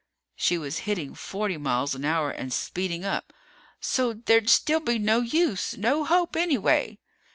She was hitting forty miles an hour and speeding up. "So there'd still be no use. No hope, anyway."